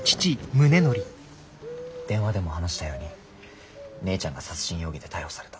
電話でも話したように姉ちゃんが殺人容疑で逮捕された。